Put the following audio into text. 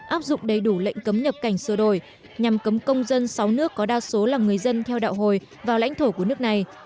áp dụng đầy đủ lệnh cấm nhập cảnh sửa đổi nhằm cấm công dân sáu nước có đa số là người dân theo đạo hồi vào lãnh thổ của nước này